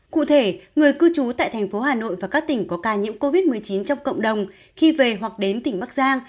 cụ thể người cư trú tại thành phố hà nội và các tỉnh có ca nhiễm covid một mươi chín trong cộng đồng khi về hoặc đến tỉnh bắc giang